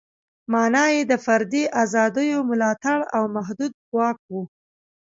معنا یې د فردي ازادیو ملاتړ او محدود واک و.